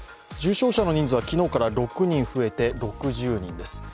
重症者の人数は昨日から６人増えて６０人です。